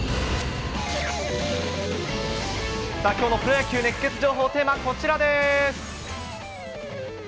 きょうのプロ野球熱ケツ情報、テーマはこちらです。